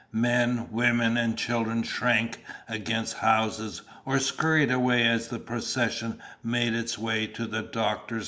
Men, women, and children shrank against houses or scurried away as the procession made its way to the doctor's house.